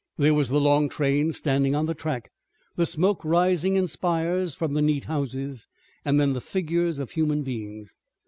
There was the long train standing on the track, the smoke rising in spires from the neat houses, and then the figures of human beings.